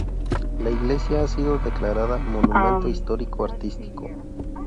La iglesia ha sido declarada Monumento Histórico Artístico.